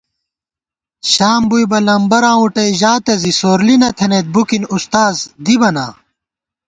شام بُوئیبہ لمبَراں وُٹئ ژاتہ زی سورلی نَتھنَئیت بُکِن استاذ دِبہ نا